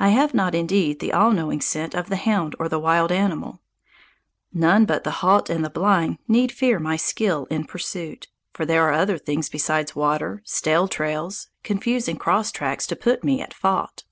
I have not, indeed, the all knowing scent of the hound or the wild animal. None but the halt and the blind need fear my skill in pursuit; for there are other things besides water, stale trails, confusing cross tracks to put me at fault.